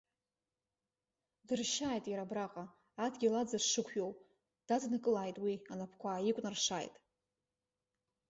Дыршьааит иара абраҟа, адгьыл аӡа дшықәиоу, даднакылааит уи, анапқәа ааикәнаршааит.